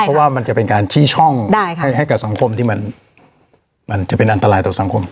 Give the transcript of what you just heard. เพราะว่ามันจะเป็นการชี้ช่องให้กับสังคมที่มันจะเป็นอันตรายต่อสังคม